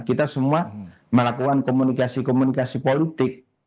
kita semua melakukan komunikasi komunikasi politik